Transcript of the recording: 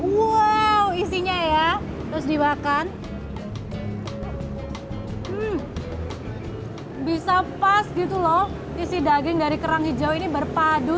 wow isinya ya terus dimakan bisa pas gitu loh isi daging dari kerang hijau ini berpadu